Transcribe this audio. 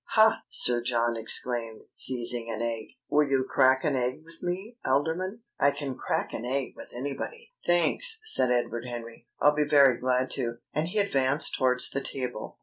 "Ha!" Sir John exclaimed, seizing an egg. "Will you crack an egg with me, Alderman? I can crack an egg with anybody." "Thanks," said Edward Henry. "I'll be very glad to." And he advanced towards the table.